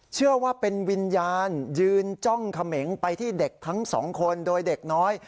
เชื่อว่าเป็นวิญญาณยืนจ้องเขมงไปที่เด็กทั้งสองคนโดยเด็กน้อย